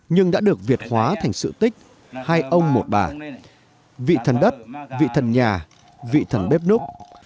nhưng đã được việt hóa thành sự tích hai ông một bà vị thần đất vị thần nhà vị thần bếp núc